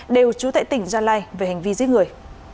đều trú tại tỉnh gia lai về hành vi giết người